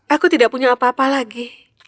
aku tidak punya apa apa lagi